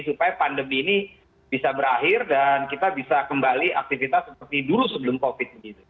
supaya pandemi ini bisa berakhir dan kita bisa kembali aktivitas seperti dulu sebelum covid